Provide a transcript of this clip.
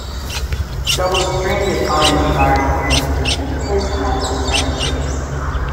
Double-stranded rna virus transcription is the method of transcription.